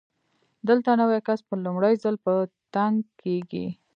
دلته نوی کس په لومړي ځل په تنګ کېږي.